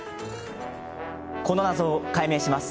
この謎を解明します。